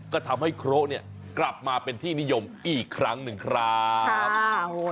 ก็ทำให้โคระกลับมาเป็นที่นิยมอีกครั้งหนึ่งคราว